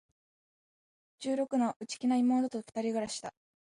十六の、内気な妹と二人暮しだ。